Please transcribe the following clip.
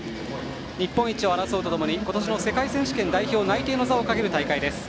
日本一を争うと共に今年の世界選手権代表内定の座をかける戦いです。